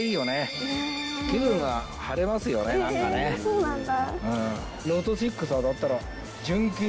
そうなんだ。